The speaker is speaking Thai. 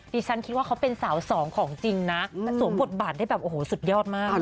ดิฉันคิดว่าเขาเป็นสาวสองของจริงนะแต่สวมบทบาทได้แบบโอ้โหสุดยอดมาก